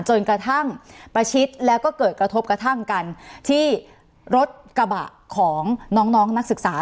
จนกระทั่งประชิดแล้วก็เกิดกระทบกระทั่งกันที่รถกระบะของน้องนักศึกษา